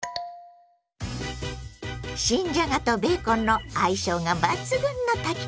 新じゃがとベーコンの相性が抜群の炊き込みご飯です。